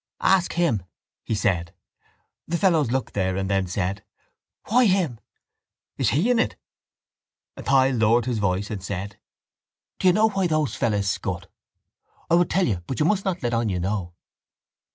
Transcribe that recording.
—Ask him, he said. The fellows looked there and then said: —Why him? —Is he in it? Athy lowered his voice and said: —Do you know why those fellows scut? I will tell you but you must not let on you know.